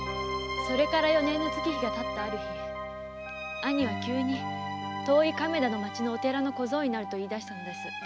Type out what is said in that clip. それから四年の月日が経ったある日兄は急に遠い亀田の町のお寺の小僧になると言い出したのです。